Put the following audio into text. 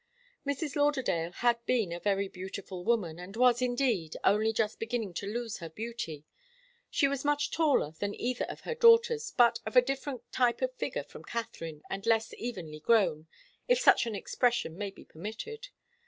Mrs. Lauderdale had been a very beautiful woman, and was, indeed, only just beginning to lose her beauty. She was much taller than either of her daughters, but of a different type of figure from Katharine, and less evenly grown, if such an expression may be permitted.